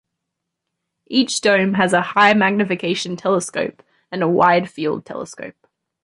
Each dome has a high-magnification telescope and a wide-field telescope.